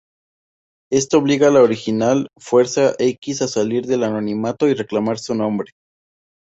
Esto obliga a la original Fuerza-X a salir del anonimato y reclamar su nombre.